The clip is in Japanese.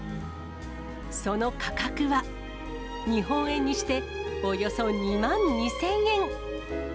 その価格は、日本円にしておよそ２万２０００円。